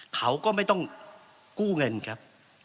เขาก็ไม่ต้องกู้เงินครับ